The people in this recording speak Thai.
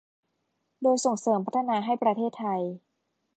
โดยส่งเสริมพัฒนาให้ประเทศไทย